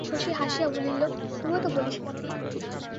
শশী হাসিয়া বলিল, তুইও তো বলিস মতি।